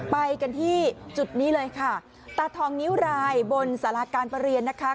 ไปกันที่จุดนี้เลยค่ะตาทองนิ้วรายบนสาราการประเรียนนะคะ